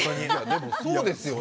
でもそうですよね。